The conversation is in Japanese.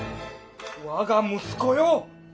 わが息子よ。